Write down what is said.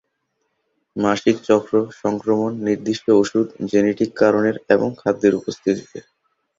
মাসিক চক্র, সংক্রমণ, নির্দিষ্ট ওষুধ, জেনেটিক কারণের, এবং খাদ্যের উপস্থিতিতে।